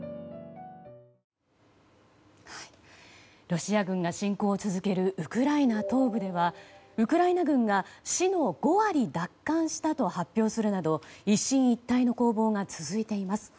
ロシア軍が侵攻を続けるウクライナ東部ではウクライナ軍が市の５割を奪還したと発表するなど一進一退の攻防が続いています。